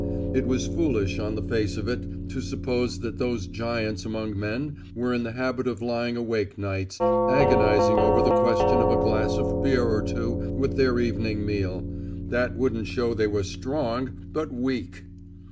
It was foolish on the face of it to suppose that those giants among men were in the habit of lying awake nights, agonizing over the question of a glass of beer or two with their evening meal. That wouldn't show they were strong, but weak.